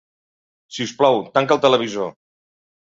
Sisplau, tanca el televisor.